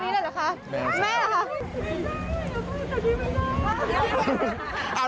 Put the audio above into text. ไม่ได้แม่แม่แม่แม่แม่แม่แม่แม่แม่